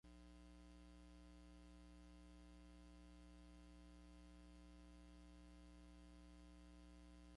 It has been claimed to be an "anti-semitic and white supremacist" political group.